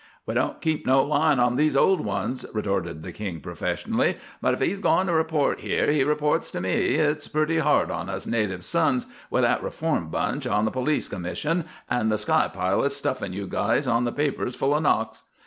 "We don't keep no line on these old ones," retorted the "King" professionally. "But if he's goin' to report here he reports to me. It's pretty hard on us native sons with that reform bunch on the Police Commission and the sky pilots stuffing you guys on the papers full of knocks.